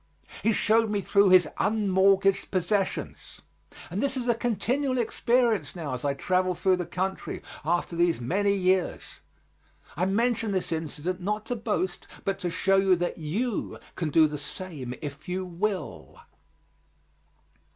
He showed me through his unmortgaged possessions. And this is a continual experience now as I travel through the country, after these many years. I mention this incident, not to boast, but to show you that you can do the same if you will.